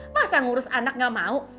masa yang ngurus anak gak mau